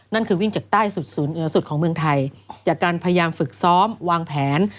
นั่นคือวิ่งจากใต้สุดศูนย์เหนือสุดของเมืองไทยจากการพยายามฝึกซ้อมวางแผน